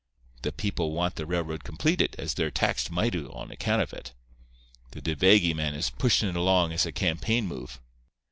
The people want the railroad completed, as they're taxed mighty on account of it. The De Vegy man is pushin' it along as a campaign move.